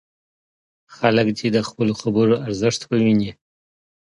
خلک دې د خپلو خبرو ارزښت وویني.